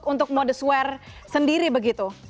untuk modest wear sendiri begitu